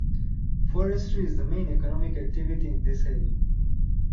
Forestry is the main economic activity in this area.